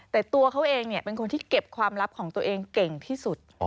แต่ตัวเขาเองเป็นคนที่เก็บความลับของตัวเองเก่งที่สุด